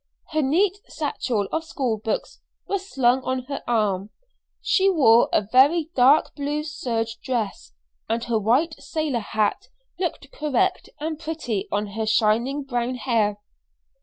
Her neat satchel of school books was slung on her arm. She wore a very dark blue serge dress, and her white sailor hat looked correct and pretty on her shining brown hair.